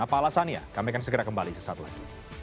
apa alasannya kami akan segera kembali sesaat lagi